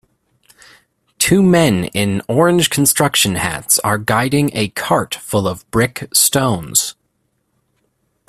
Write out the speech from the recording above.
Two men in orange construction hats are guiding a cart full of brick stones